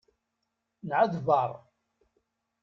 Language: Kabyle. Nɛedbaṛ.